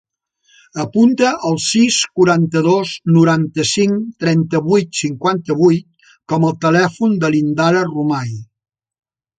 Apunta el sis, quaranta-dos, noranta-cinc, trenta-vuit, cinquanta-vuit com a telèfon de l'Indara Romay.